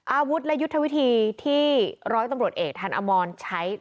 อาวุธและยุทธวิธีที่ร้อยตำรวจเอกทันอมรใช้